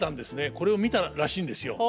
これを見たらしいんですよ。